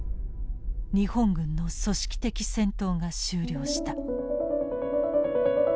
日本軍の組織的戦闘が終了した。